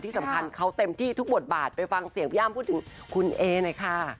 ที่สำคัญเขาเต็มที่ทุกบทบาทไปฟังเสียงพี่อ้ำพูดถึงคุณเอหน่อยค่ะ